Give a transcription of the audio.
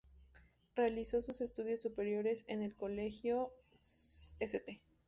Realizó sus estudios superiores en el Colegio "St.